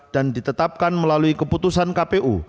dan ditetapkan melalui keputusan kpu